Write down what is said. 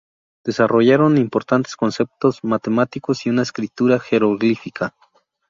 Desarrollaron importantes conceptos matemáticos y una escritura jeroglífica.